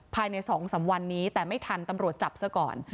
ภายใน๒๓วันนี้แต่ไม่ทันตำรวจจับซะก่อน